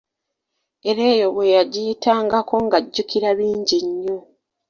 Era eyo bwe yagiyitangako, ng'ajjukira bingi nnyo.